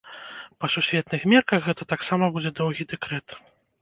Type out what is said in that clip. Па сусветных мерках гэта таксама будзе доўгі дэкрэт.